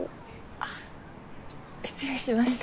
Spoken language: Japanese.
あ失礼しました。